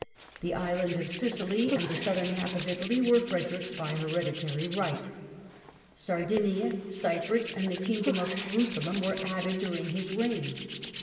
The island of Sicily and the southern half of Italy were Frederick's by here ditary right. Sardinia, Cyprus and the kingdom of Jeru salem were added during his reign.